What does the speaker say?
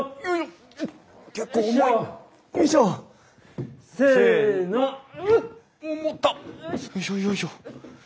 よいしょよいしょ。